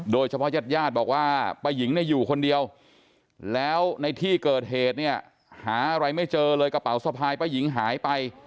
โดยเฉพาะญาติบอกว่าประหญิงได้อยู่คนเดียวแล้วในที่เกิดเหตุเนี่ยหารายไม่เจอเลยกระเป๋าสภายประหญิงหายไป